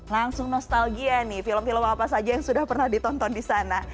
langsung nostalgia nih film film apa saja yang sudah pernah ditonton di sana